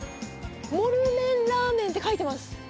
モルモンラーメンって書いてます。